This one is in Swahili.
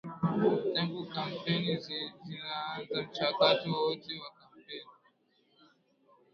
tangu kampeni zinaanza mchakato wote wa kampeni